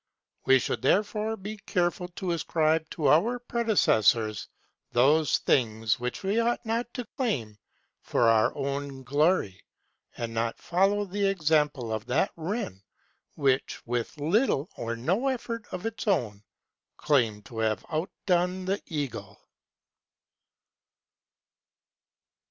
We should therefore be careful to ascribe to our predecessors those things which we ought not to claim for our own glory, and not follow the example of that wren which, with little or no effort of its own, claimed to have outdone the eagle.